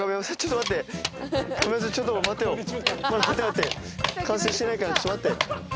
待って待って完成してないからちょっと待って。